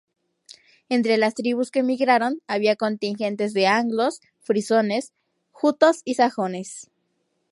Entre las tribus que migraron, había contingentes de anglos, frisones, jutos y sajones.